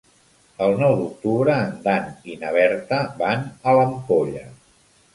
El nou d'octubre en Dan i na Berta van a l'Ampolla.